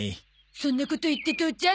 そんなこと言って父ちゃん